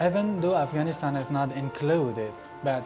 meskipun afganistan tidak terlibat